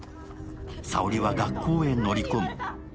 早織は学校へ乗り込む。